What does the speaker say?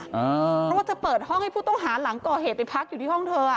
เพราะว่าเธอเปิดห้องให้ผู้ต้องหาหลังก่อเหตุไปพักอยู่ที่ห้องเธอ